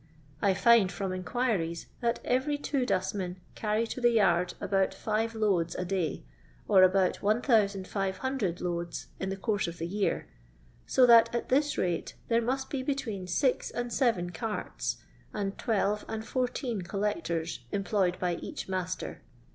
I find, from inquiries, that every two dustmen carry to the yard about five loads a day, or about 1500 loads in the course of the year, so that at Uiis rate, there must be between six and seven carU, and twelve and fourteen col lectors employed by each master.